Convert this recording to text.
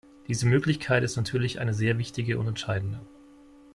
Diese Möglichkeit ist natürlich eine sehr wichtige und entscheidende.